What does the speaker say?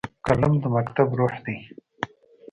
قلم د مکتب روح دی